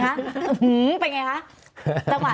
อือหือเป็นอย่างไรคะ